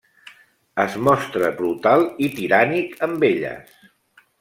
Es mostra brutal i tirànic amb elles.